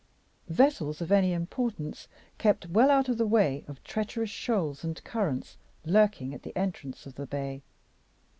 Vessels of any importance kept well out of the way of treacherous shoals and currents lurking at the entrance of the bay.